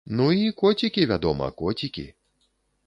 Ну і коцікі, вядома, коцікі.